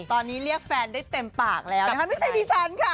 ตอนนี้เรียกแฟนได้เต็มปากแล้วนะคะไม่ใช่ดิฉันค่ะ